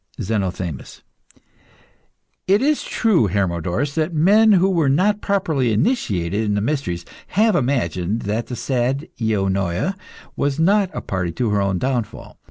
ZENOTHEMIS. It is true, Hermodorus, that men who were not properly initiated in the mysteries have imagined that the sad Eunoia was not a party to her own downfall.